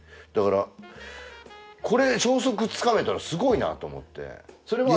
だからこれで消息つかめたらすごいなと思って。